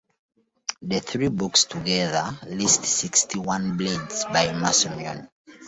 The three books together list sixty-one blades by Masamune.